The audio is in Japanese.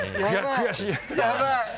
悔しい！